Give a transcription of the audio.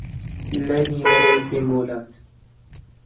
لای نیوەڕۆ دێم بۆ لات